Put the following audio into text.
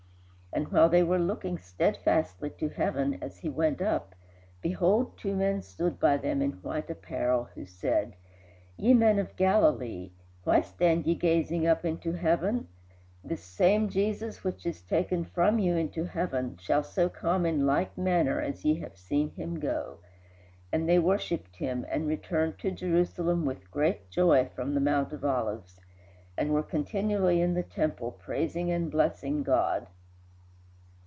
And while they were looking steadfastly to heaven, as he went up, behold two men stood by them in white apparel, who said, Ye men of Galilee, why stand ye gazing up into heaven? This same Jesus which is taken from you into heaven shall so come in like manner as ye have seen him go. And they worshipped him, and returned to Jerusalem with great joy from the Mount of Olives, and were continually in the temple praising and blessing God."